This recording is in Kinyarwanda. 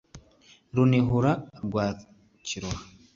Runihura rwa Kiroha